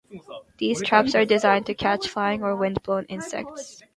These traps are designed to catch flying or wind-blown insects.